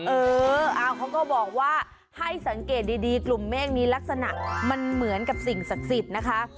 เออเขาก็บอกว่าให้สังเกตดีกลุ่มเมฆมีลักษณะมันเหมือนกับสิ่งศักดิ์สิทธิ์นะคะ